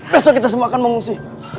besok kita semua akan mengungsi